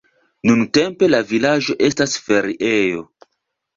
Nuntempe la vilaĝo estas feriejo.